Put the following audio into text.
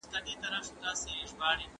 په حضوري ټولګي کي خپل نظر شریک کړه.